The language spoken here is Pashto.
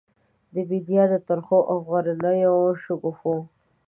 د بیدیا د ترخو او غرنیو شګوفو،